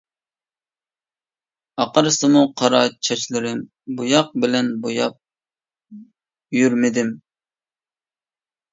ئاقارسىمۇ قارا چاچلىرىم، بۇياق بىلەن بوياپ يۈرمىدىم.